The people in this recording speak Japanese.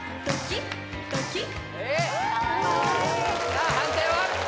さあ判定は？